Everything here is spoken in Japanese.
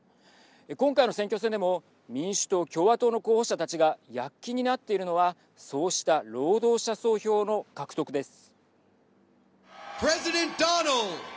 今回の選挙戦でも民主党、共和党の候補者たちが躍起になっているのはそうした労働者層票の獲得です。